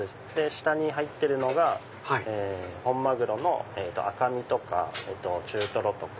下に入ってるのが本マグロの赤身とか中トロとか。